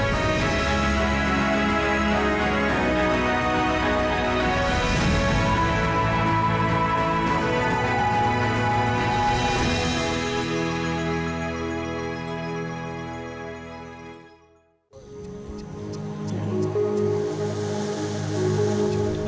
kawasan ecosystem leuser